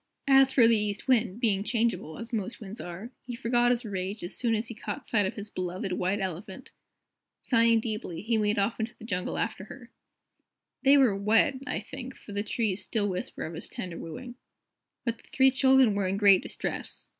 As for the East Wind, being changeable, as most winds are, he forgot his rage as soon as he caught sight of his beloved White Elephant. Sighing deeply, he made off into the jungle after her. There they were wed, I think, for the trees still whisper of his tender wooing. But the three children were in great distress.